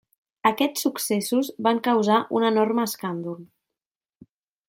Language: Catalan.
Aquests successos van causar un enorme escàndol.